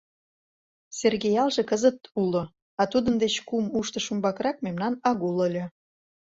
Сергеялже кызыт уло, а тудын деч кум уштыш умбакрак мемнан агул ыле.